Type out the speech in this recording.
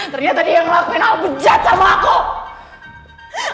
ternyata dia yang ngelakuin